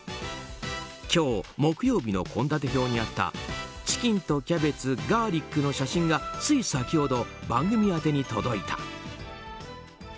今日、木曜日の献立表にあったチキンとキャベツガーリックの写真がつい先ほど、番組宛てに届いた。